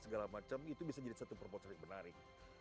segala macam itu bisa jadi satu proporsi menarik